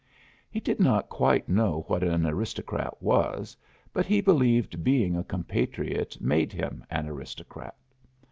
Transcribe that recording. He did not quite know what an aristocrat was, but he believed being a compatriot made him an aristocrat.